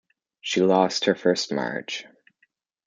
She lost her first match.